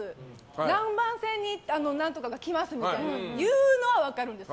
何番線に何とかが来ますみたいなのは分かるんです。